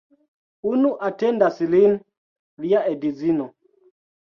Unu atendas lin, lia edzino.